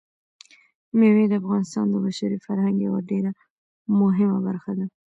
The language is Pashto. مېوې د افغانستان د بشري فرهنګ یوه ډېره مهمه برخه ده.